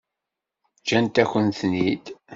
Ǧǧant-akent-ten-id?